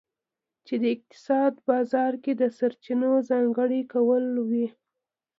چې د اقتصاد بازار کې د سرچینو ځانګړي کول وي.